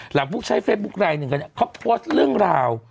ผู้ใช้เฟซบุ๊คไลนึงกันเนี่ยเขาโพสต์เรื่องราว